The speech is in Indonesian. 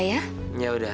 yaudah nanti aku ceritau ya